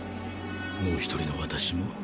もう１人の私も。